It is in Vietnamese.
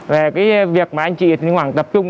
về cái việc mà anh chị hương quảng tập trung